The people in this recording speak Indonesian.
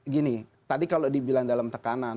gini tadi kalau dibilang dalam tekanan